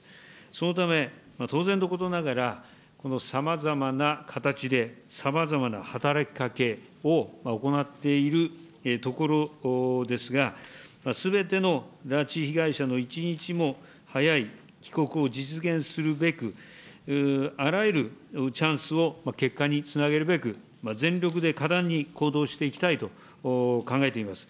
そのため、当然のことながら、さまざまな形で、さまざまな働きかけを行っているところですが、すべての拉致被害者の一日も早い帰国を実現するべく、あらゆるチャンスを結果につなげるべく、全力で果断に行動していきたいと考えています。